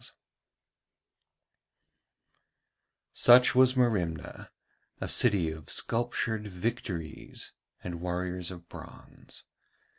Such was Merimna, a city of sculptured Victories and warriors of bronze.